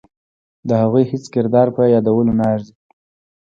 د هغوی هیڅ کردار په یادولو نه ارزي.